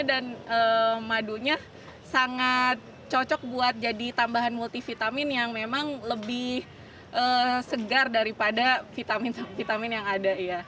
dan madunya sangat cocok buat jadi tambahan multivitamin yang memang lebih segar daripada vitamin vitamin yang ada ya